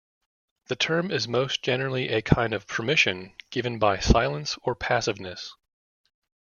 The term is most generally a kind of "permission" given by silence or passiveness.